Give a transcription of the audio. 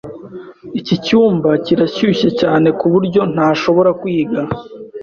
Iki cyumba kirashyushye cyane kuburyo ntashobora kwiga.